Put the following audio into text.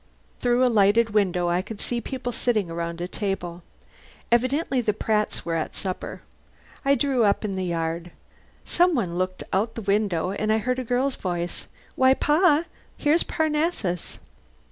Through a lighted window I could see people sitting around a table. Evidently the Pratts were at supper. I drew up in the yard. Some one looked out of a window, and I heard a girl's voice: "Why, Pa, here's Parnassus!"